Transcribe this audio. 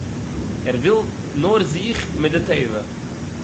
ער וויל נאר זיך מיט די טבע